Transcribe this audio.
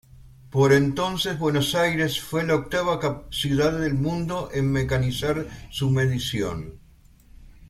Por entonces, Buenos Aires fue la octava ciudad del mundo en mecanizar su medición.